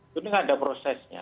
itu tidak ada prosesnya